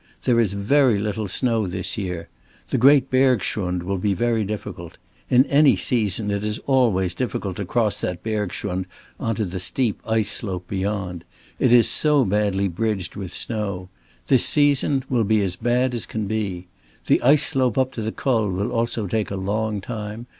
There is very little snow this year. The great bergschrund will be very difficult. In any season it is always difficult to cross that bergschrund on to the steep ice slope beyond. It is so badly bridged with snow. This season it will be as bad as can be. The ice slope up to the Col will also take a long time.